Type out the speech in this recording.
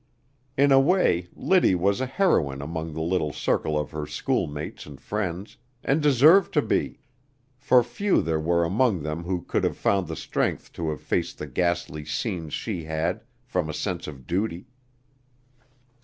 In a way, Liddy was a heroine among the little circle of her schoolmates and friends, and deserved to be, for few there were among them who could have found the strength to have faced the ghastly scenes she had, from a sense of duty.